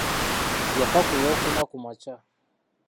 Yafa ku olwokuna kumakya.